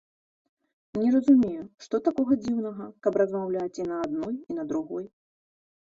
Не разумею, што такога дзіўнага, каб размаўляць і на адной, і на другой.